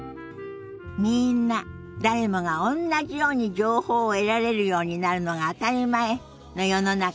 みんな誰もがおんなじように情報を得られるようになるのが当たり前の世の中にならなきゃね。